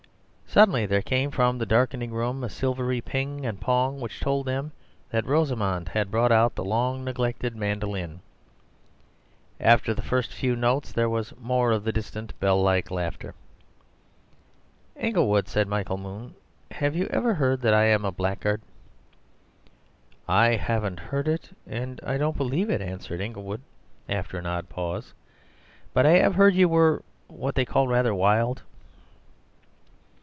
Suddenly there came from the darkening room a silvery ping and pong which told them that Rosamund had brought out the long neglected mandoline. After the first few notes there was more of the distant bell like laughter. "Inglewood," said Michael Moon, "have you ever heard that I am a blackguard?" "I haven't heard it, and I don't believe it," answered Inglewood, after an odd pause. "But I have heard you were—what they call rather wild."